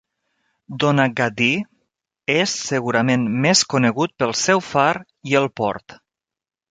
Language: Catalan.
Donaghadee és segurament més conegut pel seu far i el port.